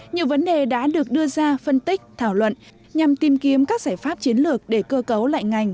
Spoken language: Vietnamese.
nhiều vấn đề đã được đưa ra phân tích thảo luận nhằm tìm kiếm các giải pháp chiến lược để cơ cấu lại ngành